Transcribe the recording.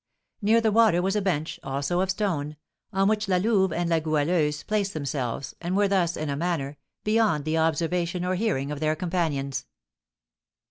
Near the water was a bench, also of stone, on which La Louve and La Goualeuse placed themselves, and were thus, in a manner, beyond the observation or hearing of their companions.